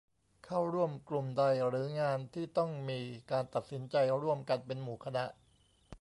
เข้าร่วมกลุ่มใดหรืองานที่ต้องมีการตัดสินใจร่วมกันเป็นหมู่คณะ